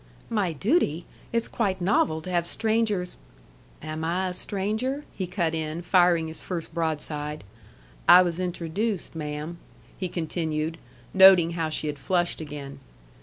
"My duty! It's quite novel to have strangers " "Am I a stranger?" he cut in, firing his first broadside. "I was introduced, ma'am," he continued, noting how she had flushed again.